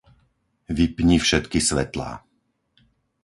Vypni všetky svetlá.